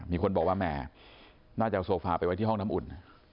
มีคนบอกว่าแหมน่าจะเอาโซฟาไปไว้ที่ห้องน้ำอุ่น